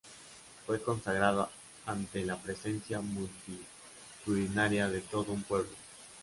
Fue consagrado ante la presencia multitudinaria de todo un pueblo.